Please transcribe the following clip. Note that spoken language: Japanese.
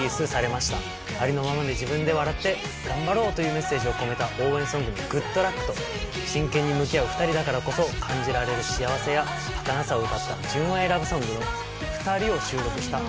ありのままの自分で笑って頑張ろう！というメッセージを込めた応援ソングの『ＧｏｏｄＬｕｃｋ！』と真剣に向き合う二人だからこそ感じられる幸せや儚さを歌った純愛ラブソングの『ふたり』を収録したＳｉｘＴＯＮＥＳ